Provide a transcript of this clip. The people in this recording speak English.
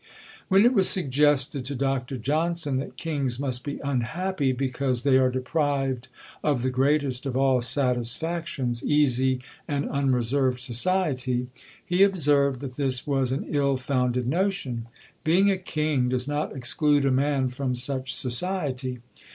When it was suggested to Dr. Johnson that kings must be unhappy because they are deprived of the greatest of all satisfactions, easy and unreserved society, he observed that this was an ill founded notion. "Being a king does not exclude a man from such society.